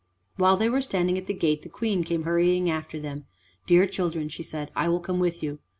While they were standing at the gate, the Queen came hurrying after them. "Dear children," she said, "I will come with you."